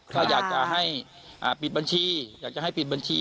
ถ้าอยากจะให้ปิดบัญชีอยากจะให้ปิดบัญชี